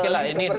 oke lah ini